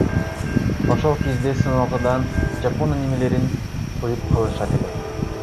Ошол кезде сыналгыдан жапон анимелерин коюп калышат эле.